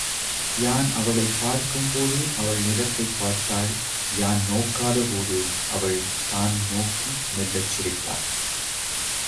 யான் அவளைப் பார்க்கும்போது அவள் நிலத்தைப் பார்த்தாள் யான் நோக்காதபோது அவள் தான் நோக்கி மெல்லச் சிரித்தாள்.